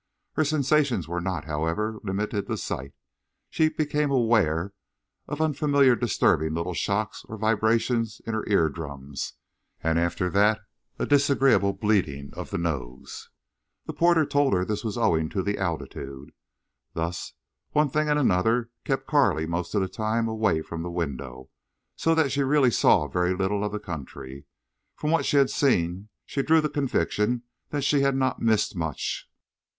Her sensations were not, however, limited to sight. She became aware of unfamiliar disturbing little shocks or vibrations in her ear drums, and after that a disagreeable bleeding of the nose. The porter told her this was owing to the altitude. Thus, one thing and another kept Carley most of the time away from the window, so that she really saw very little of the country. From what she had seen she drew the conviction that she had not missed much.